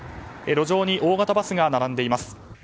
路上に大型バスが並んでいます。